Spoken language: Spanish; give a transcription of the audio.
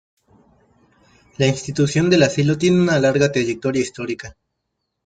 La institución del asilo tiene una larga trayectoria histórica.